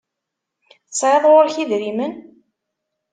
Tesɛiḍ ɣur-k idrimen?